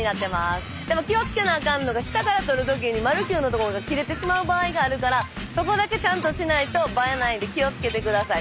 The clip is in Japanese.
でも気を付けなあかんのが下から撮るときにマルキューの所が切れてしまう場合があるからそこだけちゃんとしないと映えないんで気を付けてください。